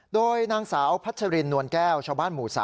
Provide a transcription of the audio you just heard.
โดยนางสาวพัชรินนวลแก้วชาวบ้านหมู่๓